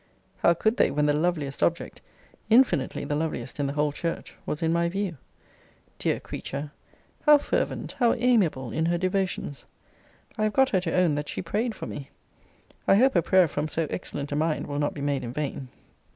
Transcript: How could they, when the loveliest object, infinitely the loveliest in the whole church, was in my view! Dear creature! how fervent, how amiable, in her devotions! I have got her to own that she prayed for me. I hope a prayer from so excellent a mind will not be made in vain.